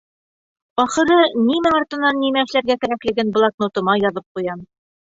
Ахыры, нимә артынан нимә эшләргә кәрәклеген блокнотыма яҙып ҡуям.